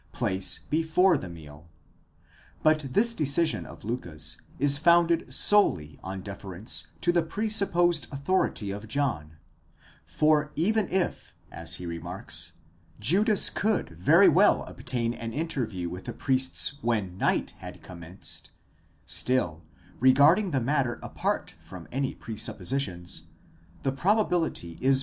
place before the meal.? But this decision of Liicke's is founded solely on deference to the presupposed authority of John; for even if, as he remarks, Judas could very well obtain an interview with the priests when night had commenced: still, regarding the matter apart from any presuppositions, the probability 15.